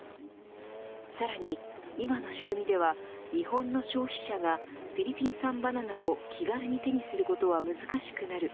さらに今の仕組みでは日本の消費者がフィリピン産バナナを気軽に手にすることは難しくなる